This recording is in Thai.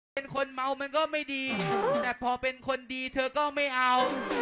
เป็นคนเมามันก็ไม่ดีแต่พอเป็นคนดีเธอก็ไม่เอา